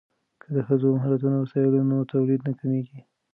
که د ښځو مهارتونه وستایو نو تولید نه کمیږي.